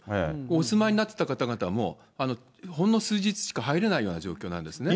お住まいになってた方々も、ほんの数日しか入れないような状況なんですね。